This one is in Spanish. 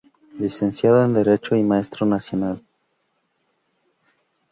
Licenciado en Derecho y Maestro nacional.